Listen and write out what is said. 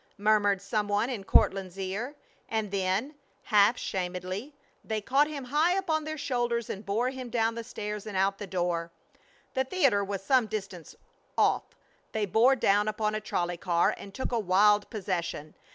murmured some one in Courtland's ear. And then, half shamedly, they caught him high upon their shoulders and bore him down the stairs and out the door. The theater was some distance off. They bore down upon a trolley car and took a wild possession.